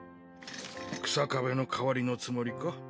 日下部の代わりのつもりか？